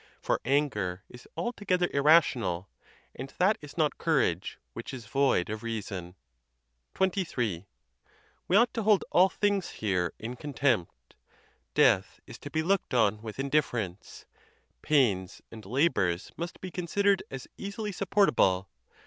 For anger is altogether irrational, and that is not courage which is void of reason. XXIII. We ought to hold all things here in contempt; death is to be looked on with indifference; pains and la bors must be considered as easily supportable.